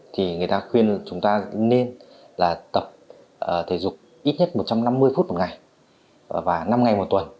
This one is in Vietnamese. thì người ta khuyên chúng ta nên là tập thể dục ít nhất một trăm năm mươi phút một ngày và năm ngày một tuần